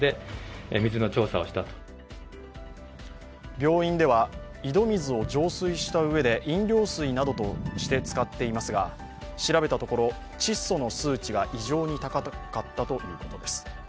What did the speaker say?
病院では、井戸水を浄水したうえで飲料水などとして使っていますが、調べたところ、窒素の数値が異常に高かったということです。